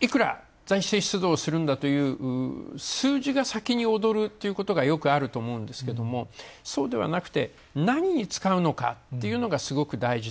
いくら、財政出動をするんだという数字が先に躍るっていうことがよくあると思うんですけど、そうではなくて、何に使うのかっていうのがすごく大事で。